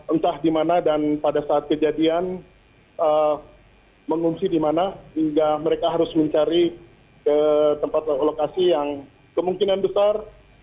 entah di mana dan pada saat kejadian mengungsi di mana hingga mereka harus mencari tempat lokasi yang kemungkinan besar